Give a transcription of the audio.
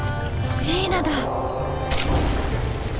ジーナだ！